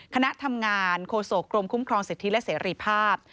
คณะทำงานโฆษกรมคุ้มครองสิทธิและเสรีภาพ